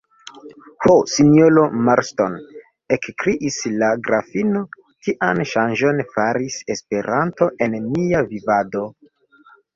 Ho, sinjoro Marston, ekkriis la grafino, kian ŝanĝon faris Esperanto en nia vivado!